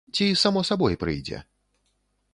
Ці само сабой прыйдзе?